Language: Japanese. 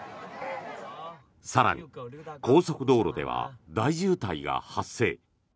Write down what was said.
更に、高速道路では大渋滞が発生。